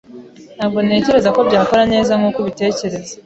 Ntabwo ntekereza ko byakora neza nkuko ubitekereza.